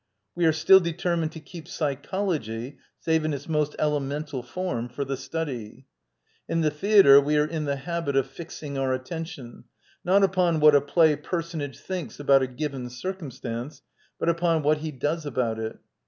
y^e are still determined, to keep p sycholog y, save in its most elemental form, for fljTjtuHyT* In the theatre we are in the habif of "fixing our attention, not upon what a play person age thinks about a given circumstance, but upon what he does about it.